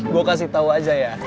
gue kasih tau aja ya